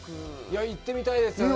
行ってみたいですよね。